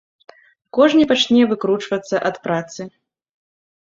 Кожны пачне выкручвацца ад працы.